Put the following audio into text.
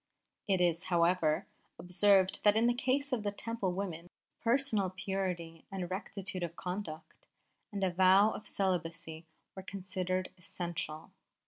It is, however, observed that in the case of Temple women personal purity and rectitude of conduct and a vow of celibacy were considered essential.